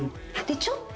ちょっと。